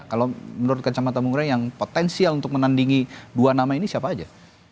kalau menurut kacamata bung rey yang potensial untuk menandingi dua nama ini siapa saja